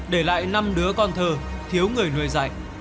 để lại năm đứa con thơ thiếu người nuôi dạy